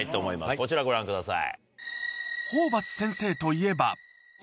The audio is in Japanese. こちらご覧ください。